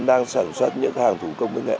đang sản xuất những hàng thủ công với nghệ